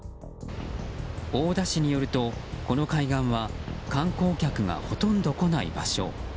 大田市によると、この海岸は観光客がほとんど来ない場所。